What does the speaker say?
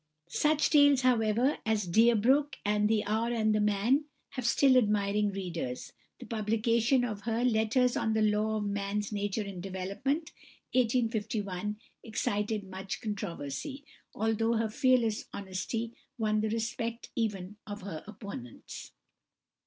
Such tales, however, as "Deerbrook" and "The Hour and the Man" have still admiring readers. The publication of her "Letters on the Laws of Man's Nature and Development" (1851) excited much controversy, although her fearless honesty won the respect even of her opponents.